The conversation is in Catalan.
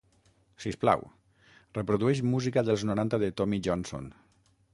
Sisplau, reprodueix música dels noranta de Tommy Johnson.